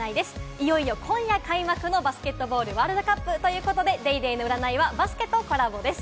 いよいよ今夜開幕のバスケットボールワールドカップということで、『ＤａｙＤａｙ．』の占いはバスケとコラボです。